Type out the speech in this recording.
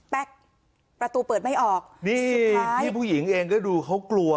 ประตูเปิดไม่ออกนี่พี่ผู้หญิงเองก็ดูเขากลัว